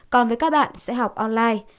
còn với các bạn sẽ học online